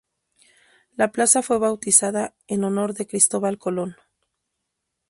La plaza fue bautizada en honor de Cristóbal Colón.